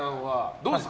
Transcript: どうですか？